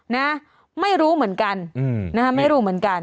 นะไม่รู้เหมือนกันนะฮะไม่รู้เหมือนกัน